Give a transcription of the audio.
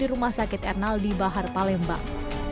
di rumah sakit ernal di bahar palembang